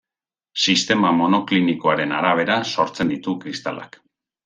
Sistema monoklinikoaren arabera sortzen ditu kristalak.